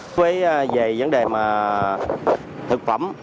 với dạy vấn đề thực phẩm